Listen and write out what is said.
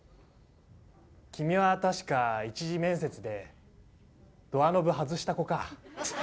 君は確か１次面接でドアノブ外した子か。